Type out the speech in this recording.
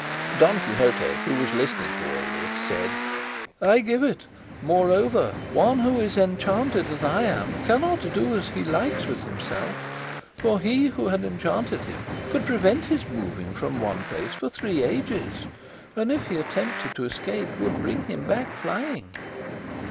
Don Quixote, who was listening to all this, said, "I give it; moreover one who is enchanted as I am cannot do as he likes with himself; for he who had enchanted him could prevent his moving from one place for three ages, and if he attempted to escape would bring him back flying."